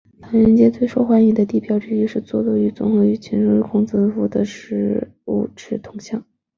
唐人街最受欢迎的地标之一是坐落于综合体前的中国哲学家孔子的十五尺铜像。